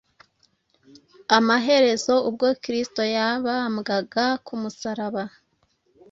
Amaherezo ubwo Kristo yabambwaga ku musaraba,